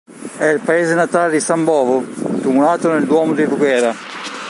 È il paese natale di San Bovo, tumulato nel duomo di Voghera.